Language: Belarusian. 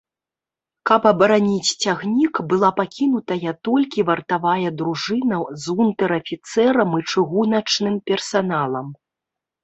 Каб абараніць цягнік, была пакінутая толькі вартавая дружына з унтэр-афіцэрам і чыгуначным персаналам.